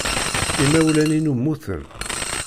Imawlan-inu mmuten.